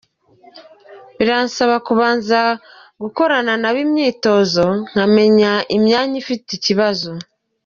Biransaba kuzabanza gukorana nabo imyitozo nkamenya imyanya ifite ikibazo.